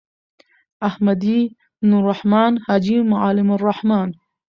احمدی.نوالرحمن.حاجی معلم الرحمن